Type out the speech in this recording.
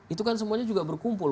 itu kan semuanya juga berkumpul